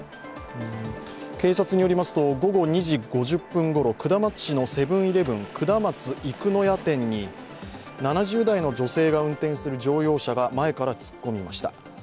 警察によりますと午後２時５０分ごろ下松市のセブン−イレブン下松生野屋店に７０代の女性が運転する乗用車が前から突っ込みました。